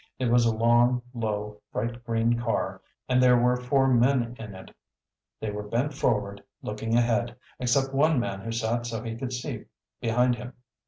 It was a long, low, bright green car and there were four men in it. They were bent forward, looking ahead, except one man who sat so he could see behind him.